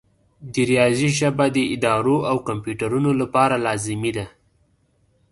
د ریاضي ژبه د ادارو او کمپیوټرونو لپاره لازمي ده.